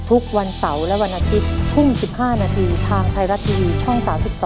ทุกวันเสาร์และวันอาทิตย์ทุ่ม๑๕นาทีทางไทยรัฐทีวีช่อง๓๒